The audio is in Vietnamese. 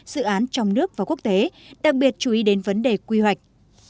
dự án trong nước và quốc tế đặc biệt chú ý đến vấn đề quy hoạch